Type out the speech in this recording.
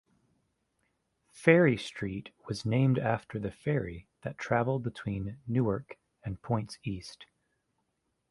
Ferry Street was named after the ferry that traveled between Newark and points east.